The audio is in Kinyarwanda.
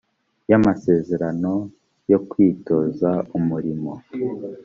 y amasezerano yo kwitoza umurimo